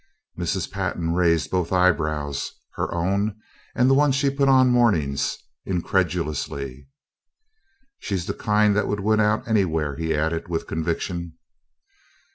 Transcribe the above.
Mrs. Pantin raised both eyebrows her own and the one she put on mornings incredulously. "She's the kind that would win out anywhere," he added, with conviction.